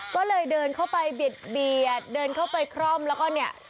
ก็เลยเดินเข้าไปเบียดเดินเข้าไปคร่อมแล้วก็เนี่ย